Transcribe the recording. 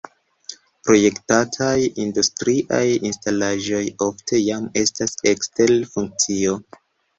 Protektataj industriaj instalaĵoj ofte jam estas ekster funkcio.